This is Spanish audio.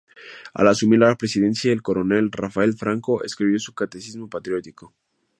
Al asumir la presidencia el coronel Rafael Franco, escribió su "Catecismo Patriótico".